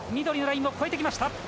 緑のラインを越えてきました。